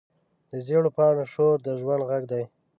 د زېړ پاڼو شور د ژوند غږ دی